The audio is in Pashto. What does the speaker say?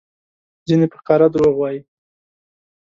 ځینې په ښکاره دروغ وایي؛